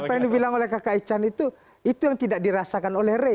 apa yang dibilang oleh kakak ican itu itu yang tidak dirasakan oleh rey